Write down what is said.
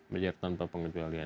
majer tanpa pengecualian